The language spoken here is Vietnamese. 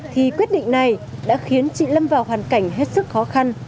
thì quyết định này đã khiến chị lâm vào hoàn cảnh hết sức khó khăn